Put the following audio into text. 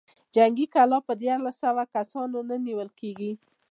جنګي کلا په ديارلسو سوو کسانو نه نېول کېږي.